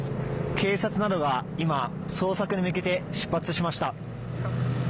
警察などが今、捜索に向けて出発しました。